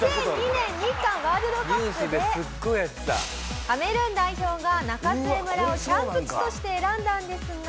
２００２年日韓ワールドカップでカメルーン代表が中津江村をキャンプ地として選んだんですが。